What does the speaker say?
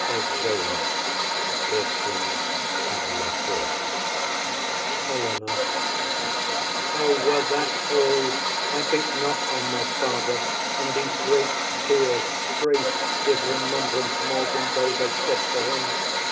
[Exeunt Bertram and Lafew.] HELENA. O, were that all! I think not on my father, And these great tears grace his remembrance more Than those I shed for him.